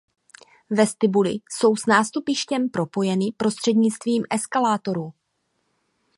Vestibuly jsou s nástupištěm propojeny prostřednictvím eskalátorů.